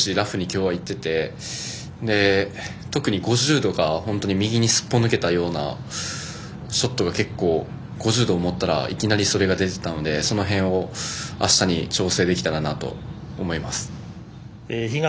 今日、ドライバーも少しラフに今日いってて特に５０とか右にすっぽ抜けたショットが結構５０度を持ったらいきなりそれが出ていたのでその辺をあしたに調整できたらなと思います。